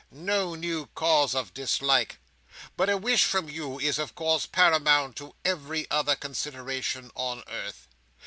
—no new cause of dislike; but a wish from you is, of course, paramount to every other consideration on earth.